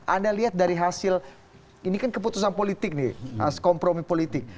anda lihat dari hasil ini kan keputusan politik nih kompromi politik